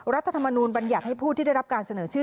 รัฐธรรมนูลบัญญัติให้ผู้ที่ได้รับการเสนอชื่อ